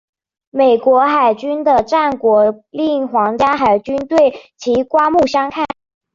美国海军的战果令皇家海军对其刮目相看。